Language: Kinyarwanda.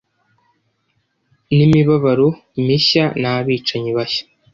n'imibabaro mishya n'abicanyi bashya